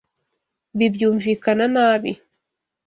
Ibi byumvikana nabi.